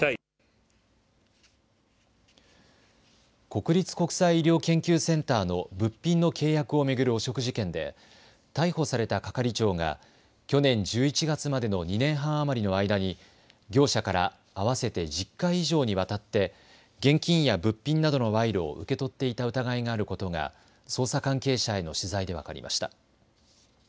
国立国際医療研究センターの物品の契約を巡る汚職事件で逮捕された係長が去年１１月までの２年半余りの間に、業者から合わせて１０回以上にわたって現金や物品などの賄賂を受け取っていた疑いがあることが捜査関係者への取材で分かりました。